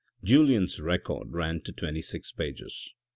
") Julien's record ran to twenty six pages.